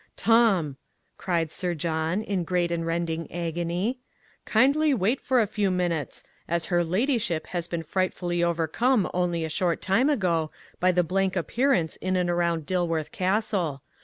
"Tom," cried Sir John, in great and rending agony, "kindly wait for a few minutes, as her ladyship has been frightfully overcome only a short time ago by the blank appearance in and around Dilworth Castle.